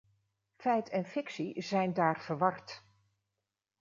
Feit en fictie zijn daar verward.